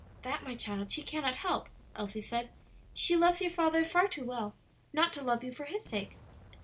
"That, my child, she cannot help," Elsie said; "she loves your father far too well not to love you for his sake."